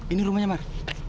ini rumahnya mar